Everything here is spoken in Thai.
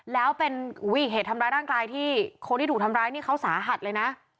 แล้วเป็นอีกเหตุทำร้ายร่างกายที่คนที่ถูกทำร้ายนี่เขาสาหัสเลยนะ